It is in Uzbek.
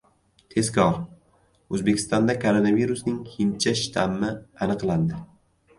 Tezkor! O‘zbekistonda koronavirusning "hindcha" shtammi aniqlandi